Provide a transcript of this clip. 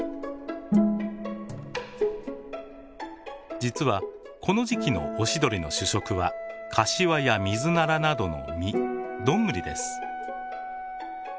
実はこの時期のオシドリの主食はカシワやミズナラなどの実ドングリです。